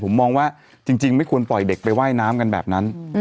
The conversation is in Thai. ผมมองว่าจริงไม่ควรปล่อยเด็กไปว่ายน้ำกันแบบนั้น